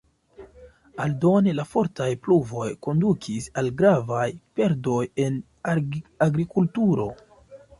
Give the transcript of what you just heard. Aldone, la fortaj pluvoj kondukis al gravaj perdoj en agrikulturo.